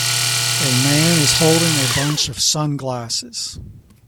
A man is holding a bunch of sunglasses